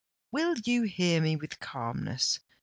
"Will you hear me with calmness?